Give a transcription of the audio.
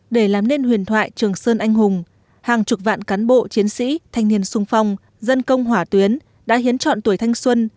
để làm nên huyền thoại trường sơn anh hùng hàng chục vạn cán bộ chiến sĩ thanh niên sung phong dân công hỏa tuyến đã hiến chọn tuổi thanh xuân